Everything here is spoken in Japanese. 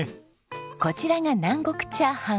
こちらが南国チャーハン。